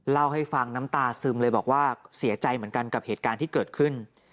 เล่าให้ฟังน้ำตาซึมเลยบอกว่าเสียใจเหมือนกันกับเหตุการณ์ที่เกิดขึ้น